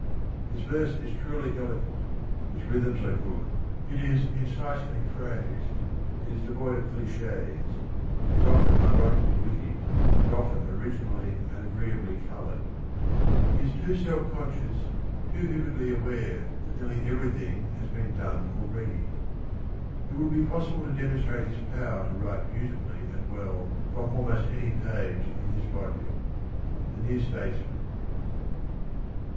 His verse is truly elegant. Its rhythms are good, it is incisely phrased, it is devoid of cliches, it is often ironically witty and often originally and agreeably coloured. He is too self conscious, too vividly aware that nearly everything has been done already. It would be possible to demonstrate his power to write beautifully and well from almost any page in his volume. — The New Statesman.